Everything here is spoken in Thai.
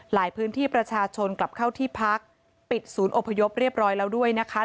พื้นที่ประชาชนกลับเข้าที่พักปิดศูนย์อพยพเรียบร้อยแล้วด้วยนะคะ